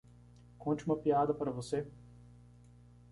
Conte uma piada para você